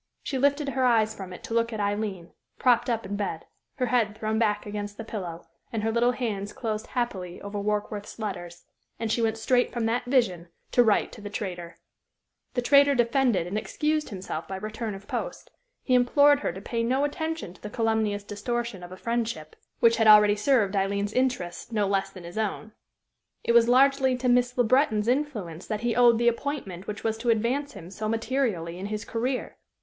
She lifted her eyes from it to look at Aileen, propped up in bed, her head thrown back against the pillow, and her little hands closed happily over Warkworth's letters; and she went straight from that vision to write to the traitor. The traitor defended and excused himself by return of post. He implored her to pay no attention to the calumnious distortion of a friendship which had already served Aileen's interests no less than his own. It was largely to Miss Le Breton's influence that he owed the appointment which was to advance him so materially in his career.